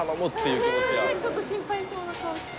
「ちょっと心配そうな顔して」